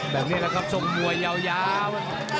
แต่มีในเรากัมสงบมวยาว